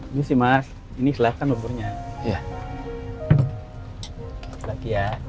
ini sih mas ini selatan membunyinya